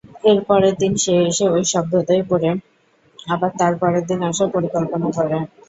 এর পরের দিন সে এসে ঐ শব্দদ্বয় পড়ে আবার তার পরের দিন আসার পরিকল্পনা করে।